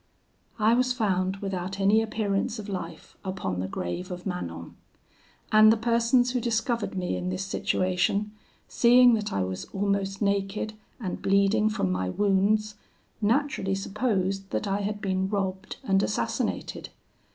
"I was found, without any appearance of life, upon the grave of Manon: and the persons who discovered me in this situation, seeing that I was almost naked and bleeding from my wounds, naturally supposed that I had been robbed and assassinated.